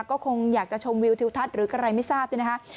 ก็คงอยากจะชมวิวทิวทัศน์หรืออะไรไม่ทราบเนี่ยนะคะ